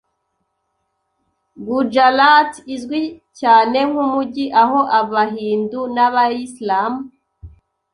Gujarat izwi cyane nk’umujyi aho abahindu n’abayislam